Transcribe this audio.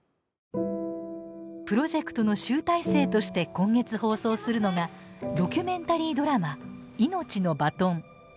プロジェクトの集大成として、今月放送するのがドキュメンタリードラマ「命のバトン」。